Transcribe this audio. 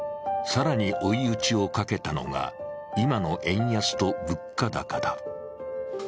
更に追い打ちをかけたのが、今の円安と物価高だ。